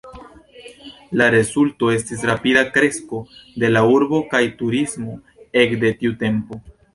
La rezulto estis rapida kresko de la urbo kaj turismo ek de tiu tempo.